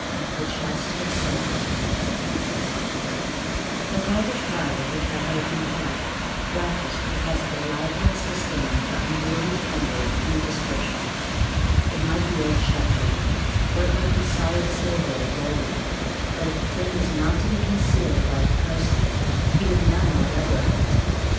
The Chest of Silver Like all the tribe of which I held him head, Raffles professed the liveliest disdain for unwieldy plunder of any description; it might be old Sheffield, or it might be solid silver or gold, but if the thing was not to be concealed about the person, he would none whatever of it.